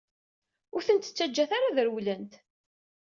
Ur tent-ttaǧǧat ara ad rewlent!